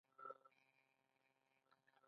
جګړه د سولې دښمنان خوښوي